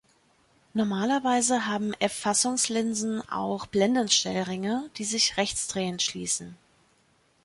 Normalerweise haben F-Fassungslinsen auch Blendenstellringe, die sich rechtsdrehend schließen.